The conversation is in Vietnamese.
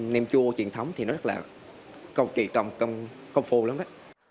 nem chua truyền thống thì nó rất là công kỳ công phu lắm đó